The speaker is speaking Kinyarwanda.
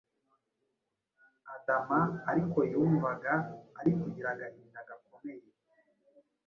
adama ariko yumvaga ari kugira agahinda gakomeye